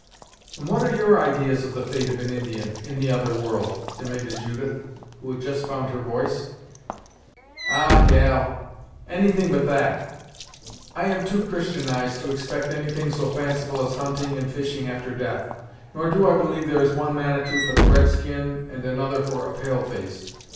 "And what are your ideas of the fate of an Indian, in the other world?" demanded Judith, who had just found her voice. "Ah! gal, any thing but that! I am too Christianized to expect any thing so fanciful as hunting and fishing after death, nor do I believe there is one Manitou for the red skin and another for a pale face.